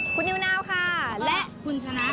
คุณนิวนาวค่ะและคุณชนะ